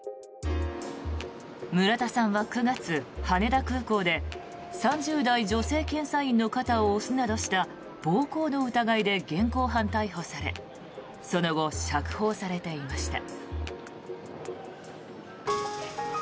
村田さんは９月、羽田空港で３０代女性検査員の肩を押すなどした暴行の疑いで現行犯逮捕されその後、釈放されていました。